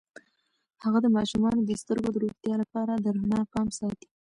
هغه د ماشومانو د سترګو د روغتیا لپاره د رڼا پام ساتي.